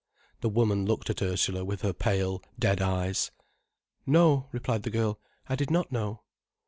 The woman looked at Ursula with her pale, dead eyes. "No," replied the girl, "I did not know."